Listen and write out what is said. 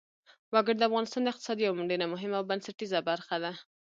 وګړي د افغانستان د اقتصاد یوه ډېره مهمه او بنسټیزه برخه ده.